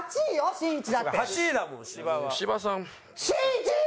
しんいち！